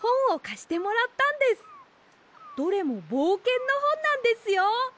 どれもぼうけんのほんなんですよ。